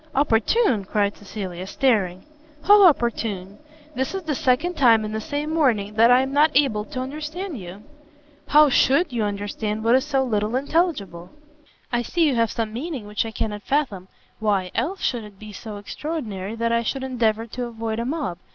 "Opportune?" cried Cecilia, staring, "how opportune? this is the second time in the same morning that I am not able to understand you!" "How should you understand what is so little intelligible?" "I see you have some meaning which I cannot fathom, why, else, should it be so extraordinary that I should endeavour to avoid a mob?